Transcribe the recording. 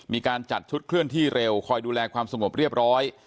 มีการจัดชุดเคลื่อนที่เร็วคอยดูแลความสงบเรียบร้อย